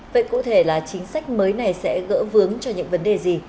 vậy cụ thể là chính sách mới này sẽ gỡ vướng cho những vấn đề gì